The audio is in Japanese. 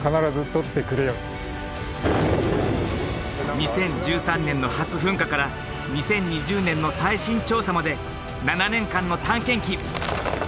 ２０１３年の初噴火から２０２０年の最新調査まで７年間の探検記。